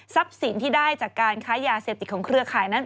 สินที่ได้จากการค้ายาเสพติดของเครือข่ายนั้น